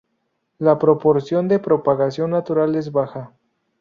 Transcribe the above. La proporción de propagación natural es baja.